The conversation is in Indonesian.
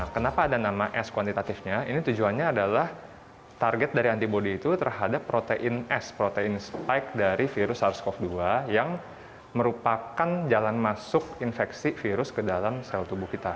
kenapa ada nama s kuantitatifnya ini tujuannya adalah target dari antibody itu terhadap protein s protein spike dari virus sars cov dua yang merupakan jalan masuk infeksi virus ke dalam sel tubuh kita